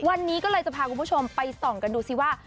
วันนี้ก็จะพากับกับผู้ชมไปส่องกันดูสิว่า